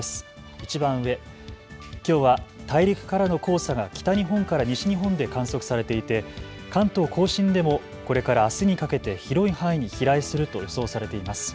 いちばん上、きょうは大陸からの黄砂が北日本から西日本で観測されていて関東甲信でもこれからあすにかけて広い範囲に飛来すると予想されています。